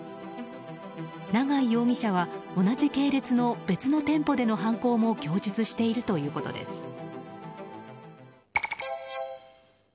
永井容疑者は同じ系列の別の店舗での犯行も供述しているということです。